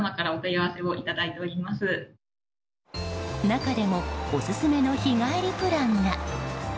中でもオススメの日帰りプランが。